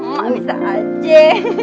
mbak bisa aja